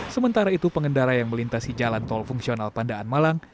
sementara itu pengendara yang melintasi jalan tol fungsional pandaan malang